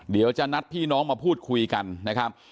เดี๋ยวจะนัดพี่น้องมาพูดคุยกันนะครับ